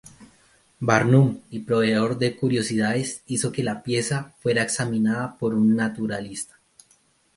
Barnum y proveedor de curiosidades hizo que la pieza fuera examinada por un naturalista.